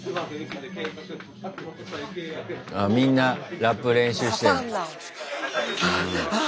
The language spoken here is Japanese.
ああみんなラップ練習して。